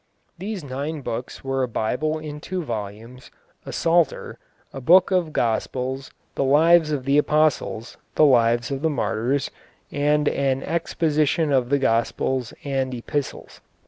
These nine books were a Bible in two volumes, a Psalter, a Book of Gospels, the Lives of the Apostles, the Lives of the Martyrs, and an Exposition of the Gospels and Epistles.